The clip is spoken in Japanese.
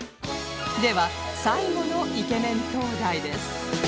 では最後のイケメン灯台です